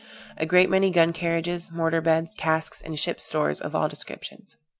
A great many gun carriages, mortar beds, casks, and ships' stores of all descriptions.